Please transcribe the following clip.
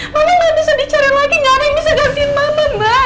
mama gak bisa dicari lagi gak ada yang bisa gantiin mama mbak